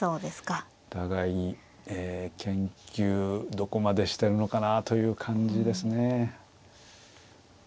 お互い研究どこまでしてるのかなという感じですね。